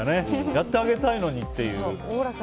やってあげたいのにっていう。